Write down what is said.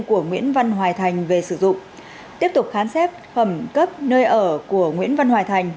của nguyễn văn hoài thành về sử dụng tiếp tục khán xếp hầm cấp nơi ở của nguyễn văn hoài thành